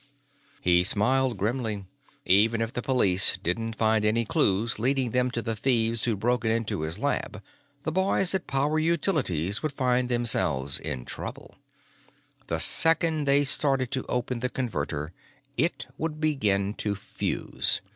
He smiled grimly. Even if the police didn't find any clues leading them to the thieves who'd broken into his lab, the boys at Power Utilities would find themselves in trouble. The second they started to open the Converter, it would begin to fuse.